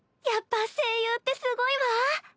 やっぱ声優ってすごいわ。